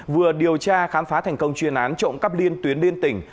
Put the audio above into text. vừa điều tra khám phá thành công chuyên án trộm cắp liên tuyến liên tỉnh